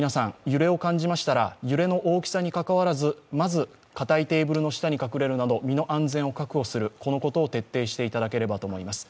揺れを感じましたら揺れの大きさに関わらず、まず固いテーブルの下に隠れるなど、身の安全を確保することを徹底していただければと思います。